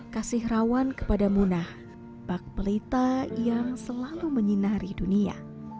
kasih rawan kepada munah bakpelita yang selalu menyinari dunia